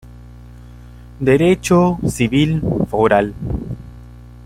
Derecho civil foral